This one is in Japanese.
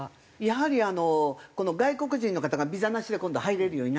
やはり外国人の方がビザなしで今度入れるようになったじゃないですか。